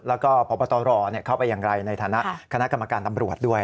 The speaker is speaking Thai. แล้วก็พบตรเข้าไปอย่างไรในฐานะคณะกรรมการตำรวจด้วย